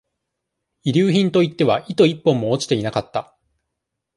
遺留品といっては、糸一本も落ちていなかった。